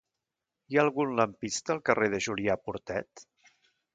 Hi ha algun lampista al carrer de Julià Portet?